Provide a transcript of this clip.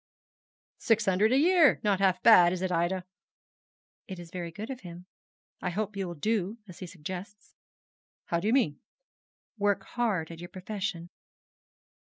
'Six hundred a year. Not half bad, is it, Ida?' 'It is very good of him. I hope you will do as he suggests.' 'How do you mean?' 'Work hard at your profession.'